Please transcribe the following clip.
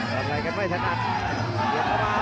กันอะไรกันไม่ทันอันอีซีแดงเข้ามา